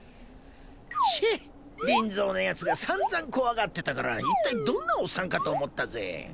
チェッリンゾーのやつがさんざん怖がってたから一体どんなおっさんかと思ったぜ。